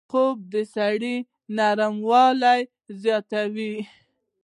خوب د سړي نرموالی زیاتوي